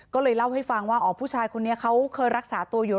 ก็เลยเล่าให้ฟังว่าอ๋อผู้ชายคนนี้เขาเคยรักษาตัวอยู่